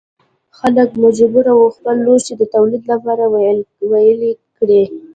خلک مجبور وو خپل لوښي د تولید لپاره ویلې کړي.